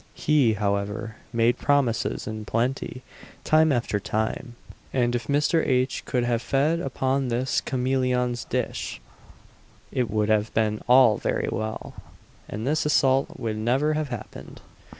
He, however, made promises in plenty, time after time; and if Mr. H. could have fed upon this "cameleon's dish," it would have been all very well, and this assault would never have happened.